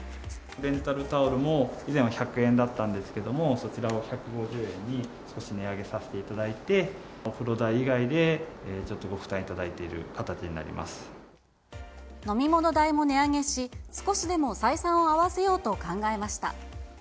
レンタルタオルも、以前は１００円だったんですけれども、そちらを１５０円に、少し値上げさせていただいて、お風呂代以外で、ちょっとご負担飲み物代も値上げし、少しでも採算を合わせようと考えました。